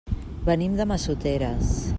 Venim de Massoteres.